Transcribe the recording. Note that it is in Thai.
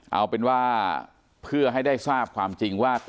เอาเป็นว่าเพื่อให้ได้ทราบความจริงว่า